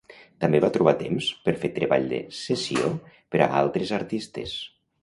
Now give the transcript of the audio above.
També va trobar temps per fer treball de sessió per a altres artistes.